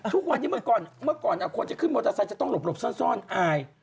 ทุกวันที่เมื่อก่อนคนจะขึ้นมอเตอร์ไซต์จะต้องหลบซ่อนอาย